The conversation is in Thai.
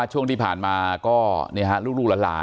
อยากให้สังคมรับรู้ด้วย